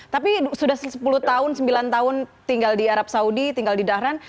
tapi sudah sepuluh tahun sembilan tahun tinggal di arab saudi tinggal di dahran